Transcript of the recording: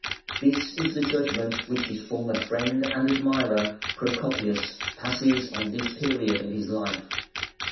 This is the judgment which his former friend and admirer, Procopius, passes on this period of his life.